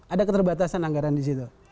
ada keterbatasan anggaran di situ